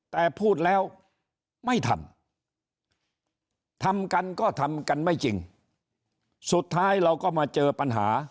แต่พูดแล้วไม่ทำทำกันก็ทำกันไม่จริงสุดท้ายเราก็มาเจอปัญหา